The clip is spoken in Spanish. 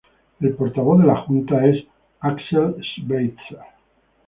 El portavoz de la junta es Axel Schweitzer.